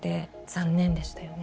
残念でしたよね。